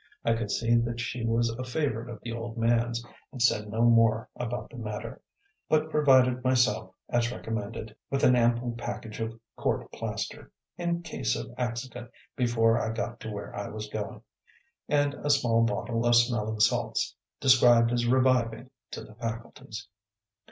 I could see that she was a favorite of the old man's, and said no more about the matter, but provided myself, as recommended, with an ample package of court plaster, "in case of accident before I got to where I was going," and a small bottle of smelling salts, described as reviving to the faculties.